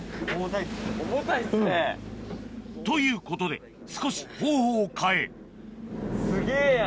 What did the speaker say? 重たいですね。ということで少し方法を変えすげぇや。